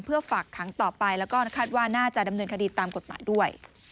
เพื่อฝากขังต่อไปแล้วก็คาดว่าน่าจะดำเนินคดีตามกฎหมายด้วย